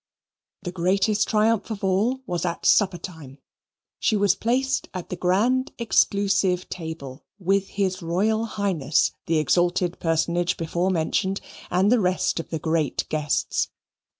The greatest triumph of all was at supper time. She was placed at the grand exclusive table with his Royal Highness the exalted personage before mentioned, and the rest of the great guests.